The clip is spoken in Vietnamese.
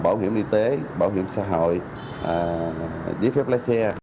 bảo hiểm y tế bảo hiểm xã hội giấy phép lái xe